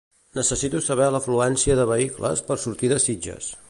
Necessito saber l'afluència de vehicles per sortir de Sitges.